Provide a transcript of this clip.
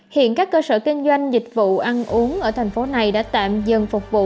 hiện các cơ sở kinh doanh dịch vụ ăn uống ở thành phố này đã tạm dừng phục vụ